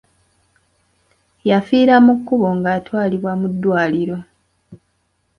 Yafiira mu kkubo ng'atwalibwa mu ddwaliro.